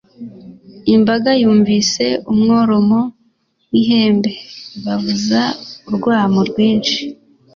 imbaga yumvise umworomo w’ihembe, bavuza urwamo rwinshi.